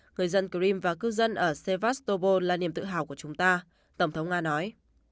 người dân crimea và cư dân ở sevastopol là niềm tự hào của chúng ta tổng thống nga nói